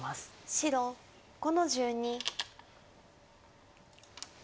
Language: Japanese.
白５の十二。